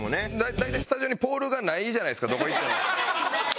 大体スタジオにポールがないじゃないですかどこ行っても。